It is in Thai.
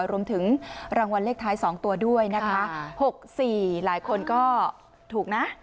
รวมถึงรางวัลเลขท้าย๒ตัวด้วยนะคะ๖๔หลายคนก็ถูกนะ